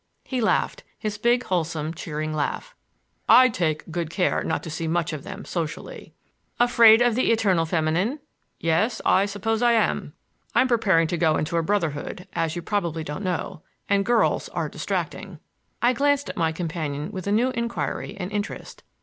He laughed,—his big wholesome cheering laugh. "I take good care not to see much of them socially." "Afraid of the eternal feminine?" "Yes, I suppose I am. I'm preparing to go into a Brotherhood, as you probably don't know. And girls are distracting." I glanced at my companion with a new inquiry and interest.